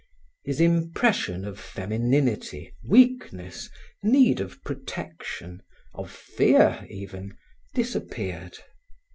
His impression of femininity, weakness, need of protection, of fear even, disappeared.